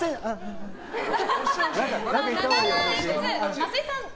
増井さん。